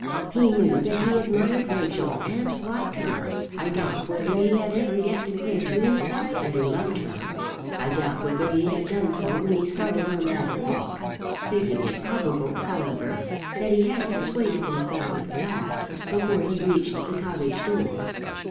He knew that he admired Rachel and liked her. I doubt whether he had ever yet declared to himself that he loved her. I doubt whether he had done so when he started on that walk, thinking it probable, however, that he had persuaded himself of the fact before he reached the cottage door.